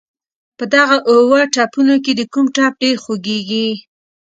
په دغه اووه ټپونو کې دې کوم ټپ ډېر خوږېږي.